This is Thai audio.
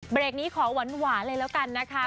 เบรกนี้ขอหวานหวานเลยแล้วกันนะคะ